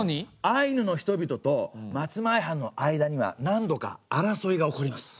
アイヌの人々と松前藩の間には何度か争いが起こります。